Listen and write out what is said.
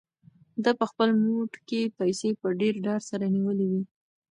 ده په خپل موټ کې پیسې په ډېر ډاډ سره نیولې وې.